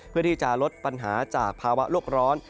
เพื่อที่จะลดปัญหาจากภาวะโลกร้อน